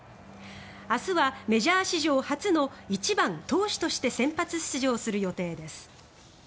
明日はメジャー史上初の１番投手として先発出場する予定です。